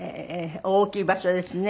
大きい場所ですね。